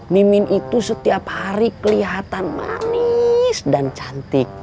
mimin itu setiap hari kelihatan manis dan cantik